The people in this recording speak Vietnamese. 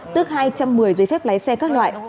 tức hai trăm một mươi giấy phép lái xe các loại